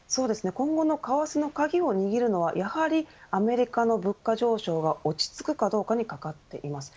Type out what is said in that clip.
今後の為替の鍵を握るのはやはりアメリカの物価上昇が落ち着くかどうかにかかってきます。